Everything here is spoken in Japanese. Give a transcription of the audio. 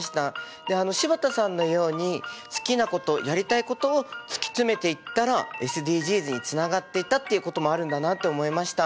で柴田さんのように好きなことやりたいことを突き詰めていったらＳＤＧｓにつながっていたっていうこともあるんだなって思いました。